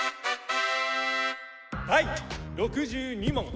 ・第６２問！